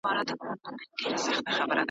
یو ځل بیا له خپل دښمنه په امان سو `